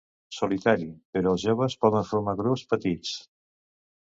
Solitari, però els joves poden formar grups petits.